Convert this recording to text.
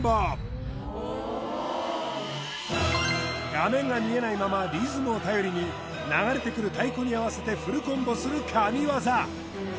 画面が見えないままリズムを頼りに流れてくる太鼓に合わせてフルコンボする神業